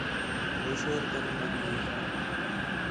ہو شور کرݨ لڳی ہِے